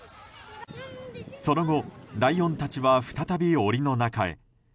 その後、ライオンたちは再び檻の中へ。